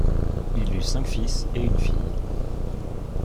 Il eut cinq fils et une fille.